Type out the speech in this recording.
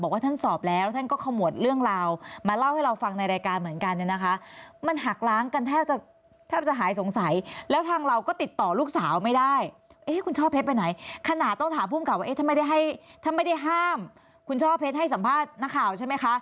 คุณช่อเพชรไปไหนขนาดถามผู้การว่าถ้าไม่ได้ห้ามคุณช่อเพชรให้สัมบัติตาของด้านข่าวใช่มั้ยคะ